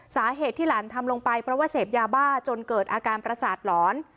สาเหตุที่หลานทำลงไปเพราะว่าเสพยาบ้าจนเกิดอาการประสาทหลอน